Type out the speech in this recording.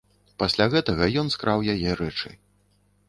Пасля гэтага ён скраў яе рэчы.